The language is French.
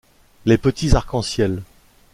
Les petits arcs-en-ciel